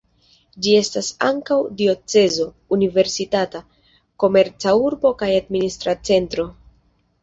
Ĝi estas ankaŭ diocezo, universitata, komerca urbo kaj administra centro.